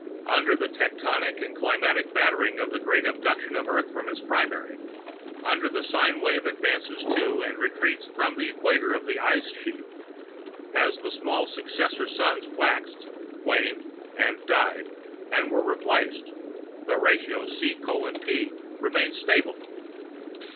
Under the tectonic and climatic battering of the great abduction of Earth from its primary, under the sine wave advances to and retreats from the equator of the ice sheath, as the small successor Suns waxed, waned, died and were replaced, the ratio C:P remained stable.